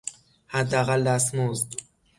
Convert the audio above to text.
حداقل دستمزد